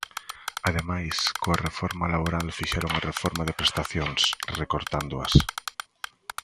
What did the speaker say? Ademais coa reforma laboral fixeron a reforma de prestacións, recortándoas.